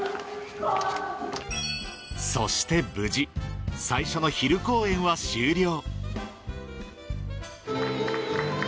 そして無事最初の昼公演は終了